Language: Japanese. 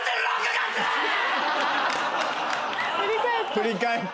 振り返った。